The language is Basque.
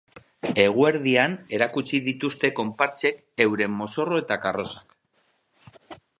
Eguerdian erakutsi dituzte konpartsek heuren mozorro eta karrozak.